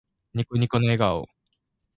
ニコニコな笑顔。